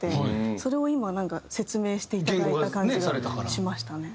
それを今なんか説明していただいた感じがしましたね。